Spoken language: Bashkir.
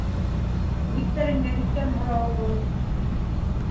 Бик тәрәнгә киткән һорау был.